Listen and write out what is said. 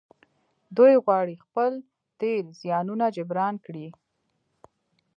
دوی غواړي خپل تېر زيانونه جبران کړي.